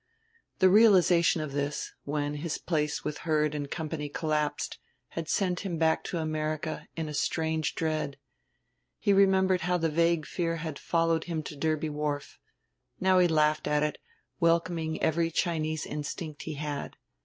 The realization of this, when his place with Heard and Company collapsed, had sent him back to America, in a strange dread. He remembered how the vague fear had followed him to Derby Wharf. Now he laughed at it, welcoming every Chinese instinct he had.